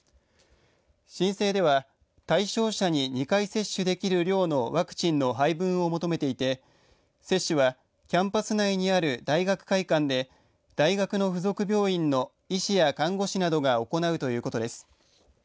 申請では、対象者に２回接種できる量のワクチンの配分を求めていて接種はキャンパス内にある大学会館で大学の付属病院の医師や看護師などが行うということです。